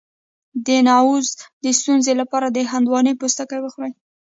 د نعوظ د ستونزې لپاره د هندواڼې پوستکی وخورئ